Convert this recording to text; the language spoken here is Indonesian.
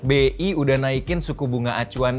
bi udah naikin suku bunga acuan